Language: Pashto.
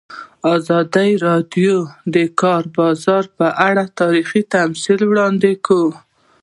ازادي راډیو د د کار بازار په اړه تاریخي تمثیلونه وړاندې کړي.